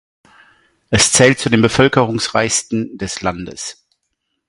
Es zählt zu den bevölkerungsreichsten des Landes.